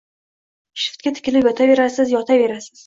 Shiftga tikilib yotaverasiz, yotaverasiz...